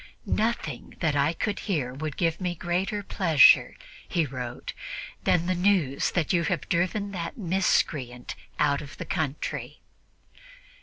"Nothing that I could hear of would give me greater pleasure," he wrote, "than the news that you have driven that miscreant out of the country."